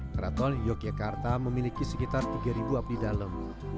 keraton yogyakarta memiliki sekitar tiga abdi dalam